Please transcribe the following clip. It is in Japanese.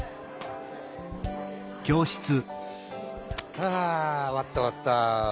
ハァ終わった終わった！